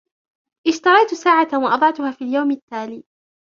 إشتريتُ ساعةً وأضعتها في اليومِ التالي.